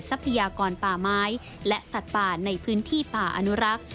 ทรัพยากรป่าไม้และสัตว์ป่าในพื้นที่ป่าอนุรักษ์